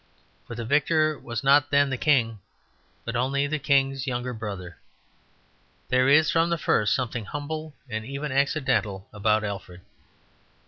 For the victor was not then the king, but only the king's younger brother. There is, from the first, something humble and even accidental about Alfred.